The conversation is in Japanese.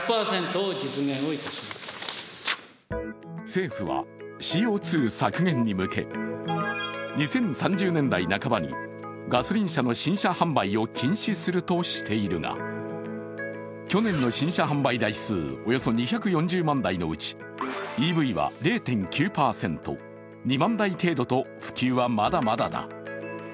政府はＣＯ２削減に向け、２０３０年代半ばにガソリン車の新車販売を禁止するとしているが、去年の新車販売台数およそ２４０万台のうちＥＶは０．９％、２万台程度と普及はまだまだだ。